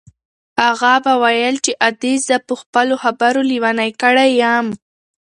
اغا به ویل چې ادې زه په خپلو خبرو لېونۍ کړې یم.